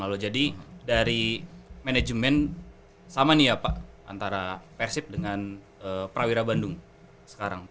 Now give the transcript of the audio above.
semua orang mempunyai kepentingan